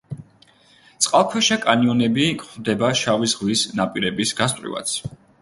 წყალქვეშა კანიონები გვხვდება შავი ზღვის ნაპირების გასწვრივაც.